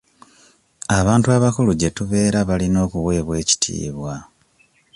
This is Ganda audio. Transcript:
Abantu abakulu gye tubeera balina okuweebwa ekitiibwa.